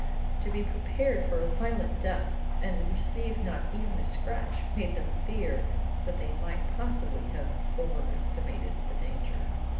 To be prepared for a violent death and receive not even a scratch made them fear that they might possibly have overestimated the danger.